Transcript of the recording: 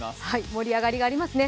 盛り上がりがありますね。